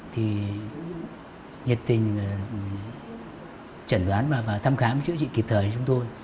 thì nhiệt tình trẩn đoán và thăm khám chữa trị kịp thời cho chúng tôi